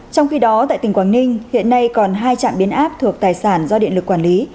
trong khi đó tại tỉnh quảng ninh hiện nay còn hai trạm biến áp thuộc tài sản do điện lực quản lý